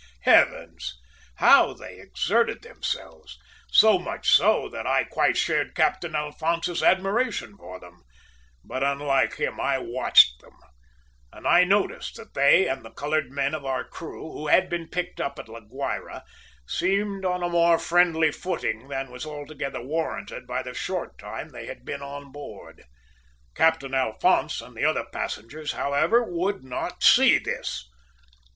"Heavens! How they exerted themselves; so much so that I quite shared Captain Alphonse's admiration for them, but, unlike him, I watched them, and I noticed that they and the coloured men of our crew who had been picked up at La Guayra seemed on a more friendly footing than was altogether warranted by the short time they had been on board. Captain Alphonse and the other passengers, however, would not see this.